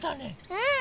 うん！